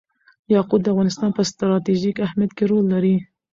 یاقوت د افغانستان په ستراتیژیک اهمیت کې رول لري.